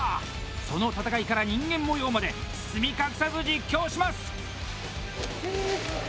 その戦いから人間模様まで包み隠さず実況します！